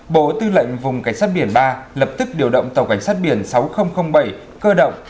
bộ tư lệnh vùng cảnh sát biển ba lập tức điều động tàu cảnh sát biển sáu nghìn bảy cơ động